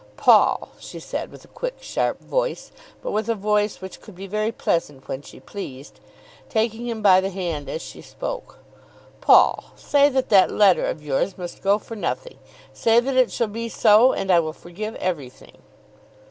"Paul," she said, with a quick, sharp voice, but with a voice which could be very pleasant when she pleased, taking him by the hand as she spoke, "Paul, say that that letter of yours must go for nothing. Say that it shall be so, and I will forgive everything."